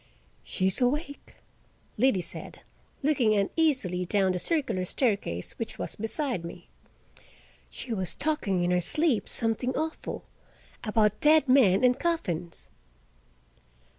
"She's awake," Liddy said, looking uneasily down the circular staircase, which was beside me. "She was talkin' in her sleep something awful—about dead men and coffins."